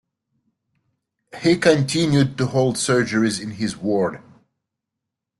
He continued to hold surgeries in his ward.